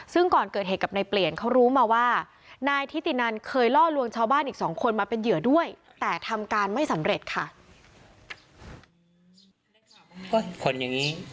ซึ่งก่อนเกิดเหตุกับนายเปลี่ยนเขารู้มาว่านายทิตินันเคยล่อลวงชาวบ้านอีกสองคนมาเป็นเหยื่อด้วยแต่ทำการไม่สำเร็จค่ะ